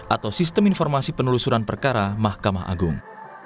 atau sistem informasi penelusuran perkara mahkamah agung